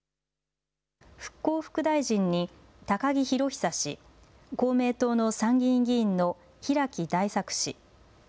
復興副大臣に高木宏壽氏、公明党の参議院議員の平木大作氏。